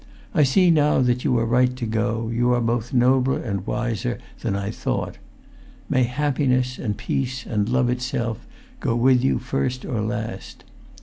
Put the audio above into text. I see now that you are right to go; you are both nobler and wiser than I thought; may happiness, and peace, and love itself go with you first or last.